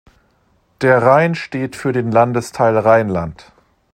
Der Rhein steht für den Landesteil Rheinland.